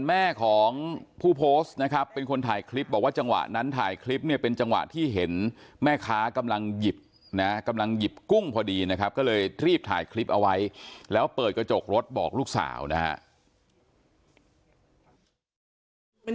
แม่ของผู้โพสต์นะครับเป็นคนถ่ายคลิปบอกว่าจังหวะนั้นถ่ายคลิปเนี่ยเป็นจังหวะที่เห็นแม่ค้ากำลังหยิบนะกำลังหยิบกุ้งพอดีนะครับก็เลยรีบถ่ายคลิปเอาไว้แล้วเปิดกระจกรถบอกลูกสาวนะครับ